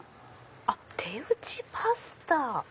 あっ「手打ちパスタ」。